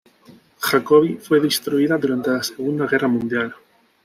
Jacobi fue destruida durante la Segunda Guerra Mundial.